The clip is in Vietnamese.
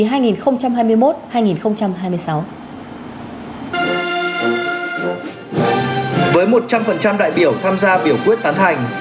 với một trăm linh đại biểu tham gia biểu quyết tán thành